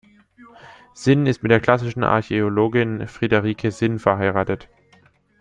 Sinn ist mit der Klassischen Archäologin Friederike Sinn verheiratet.